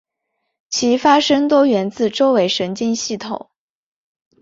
其发生多源自周围神经系统。